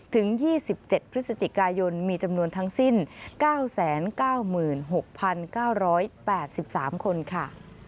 ถึง๒๗พฤศจิกายนมีจำนวนทั้งสิ้น๙๙๖๙๘๓คนค่ะ